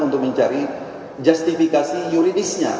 untuk mencari justifikasi yuridisnya